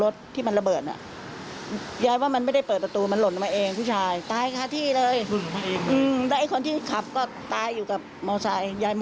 ยายเรียกตาลงมาบอกเร็วลงมาดูไอ้หนุ่มคนนั้นไม่กระดูกกระดีกเลย